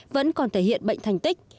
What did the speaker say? vẫn còn thể hiện bệnh thành tích